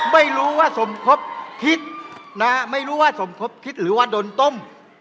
ไม่รู้ว่าสมคบคิดนะฮะไม่รู้ว่าสมคบคิดหรือว่าโดนต้ม